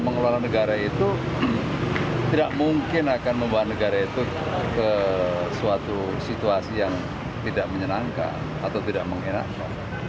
mengelola negara itu tidak mungkin akan membawa negara itu ke suatu situasi yang tidak menyenangkan atau tidak mengenakan